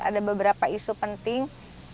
ada beberapa isu penting